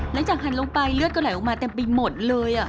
หันลงไปเลือดก็ไหลออกมาเต็มไปหมดเลย